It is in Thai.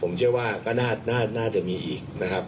ผมว่าก็จะน่าจะถึงกับ๔๕กระบอกอย่างน้อยนะครับ